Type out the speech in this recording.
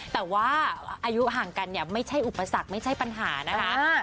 แต่ว่าอายุห่างกันเนี่ยไม่ใช่อุปสรรคไม่ใช่ปัญหานะคะ